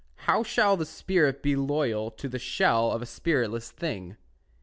How shall the spirit be loyal To the shell of a spiritless thing?